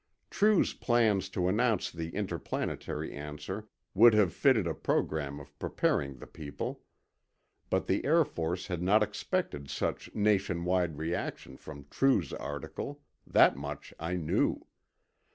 True's plans to announce the interplanetary answer would have fitted a program of preparing the people. But the Air Force had not expected such nation wide reaction from True's article; that much I knew.